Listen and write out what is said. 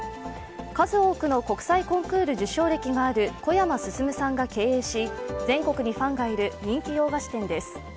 数多くの国際コンクール受賞歴がある小山進さんが経営し、全国にファンがいる人気洋菓子店です。